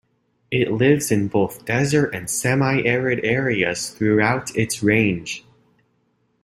It lives in both desert and semiarid areas throughout its range.